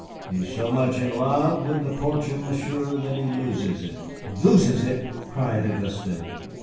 "He is so much in love with the portrait, Monsieur, that he loses it." "Loses it!" cried Auguste.